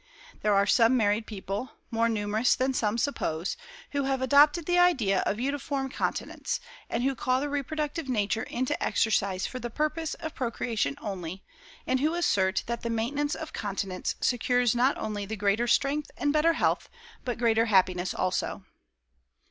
There are some married people, more numerous than some suppose, who have adopted the idea of uniform continence, and who call the reproductive nature into exercise for the purpose of procreation only, and who assert that the maintenance of continence secures not only the greater strength and better health, but greater happiness also.